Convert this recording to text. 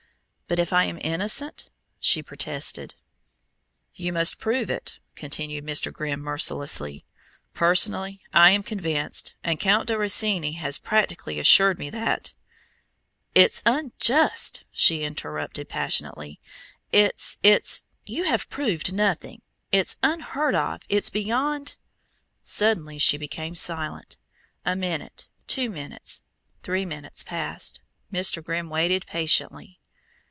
"But if I am innocent?" she protested. "You must prove it," continued Mr. Grimm mercilessly. "Personally, I am convinced, and Count di Rosini has practically assured me that " "It's unjust!" she interrupted passionately. "It's it's you have proved nothing. It's unheard of! It's beyond !" Suddenly she became silent. A minute, two minutes, three minutes passed; Mr. Grimm waited patiently.